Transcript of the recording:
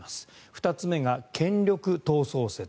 ２つ目が権力闘争説。